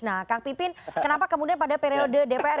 mas pipin kenapa kemudian pada periode dpr